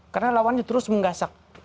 karena lawannya terus menggasak